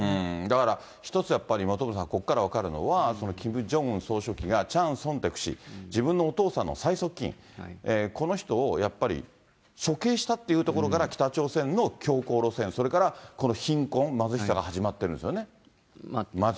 だから、１つやっぱり本村さん、ここから分かるのは、キム・ジョンウン総書記が、チャン・ソンテク氏、自分のお父さんの最側近、この人をやっぱり、処刑したっていうところから、北朝鮮の強硬路線、それからこの貧困、貧しさが始まってるんですよね、まず。